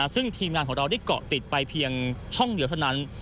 ซึ่งทีมงานของเราได้เกาะติดไปเพียงช่องเดียวเท่านั้น